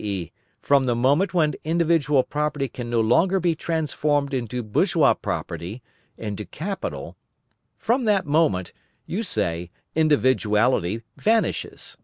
e_., from the moment when individual property can no longer be transformed into bourgeois property, into capital, from that moment, you say individuality vanishes.